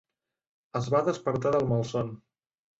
Es va despertar del malson.